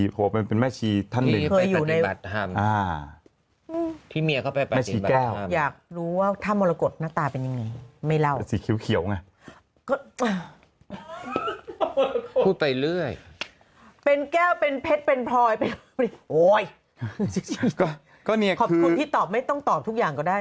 พูดไปเรื่อยเป็นแก้วเป็นเพชรเป็นพลอยโอ๊ยขอบคุณที่ตอบไม่ต้องตอบทุกอย่างก็ได้